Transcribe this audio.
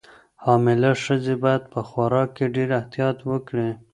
حامله ښځې باید په خوراک کې ډېر احتیاط وکړي.